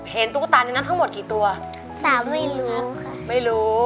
ตุ๊กตาในนั้นทั้งหมดกี่ตัวสาวไม่รู้ค่ะไม่รู้